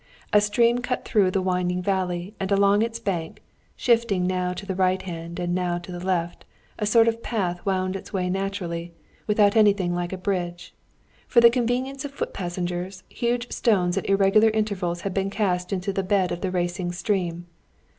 A stream cut through the winding valley and along its bank, shifting now to the right hand and now to the left, a sort of path wound its way naturally, without anything like a bridge; for the convenience of foot passengers, huge stones at irregular intervals had been cast into the bed of the racing stream.